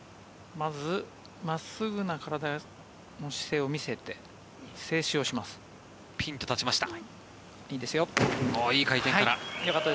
まず真っすぐな体の姿勢を見せてピンと立ちました。